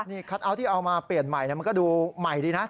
นี่คัทเอาท์ที่เอามาเปลี่ยนใหม่มันก็ดูใหม่ดีนะ